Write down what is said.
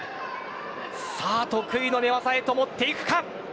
得意の寝技へと持っていくか。